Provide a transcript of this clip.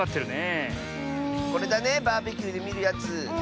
これだねバーベキューでみるやつ。